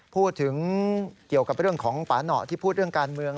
พูดถึงเกี่ยวกับเรื่องของปาหน่อที่พูดเรื่องการเมือง